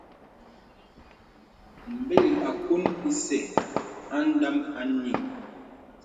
Mbir àkuŋ ìsə adəm anyì.